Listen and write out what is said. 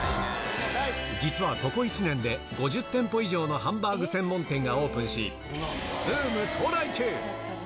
実はここ１年で、５０店舗以上のハンバーグ専門店がオープンし、ブーム到来中。